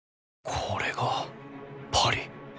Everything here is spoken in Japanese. これがパリ！